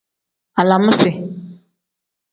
Alaamisi.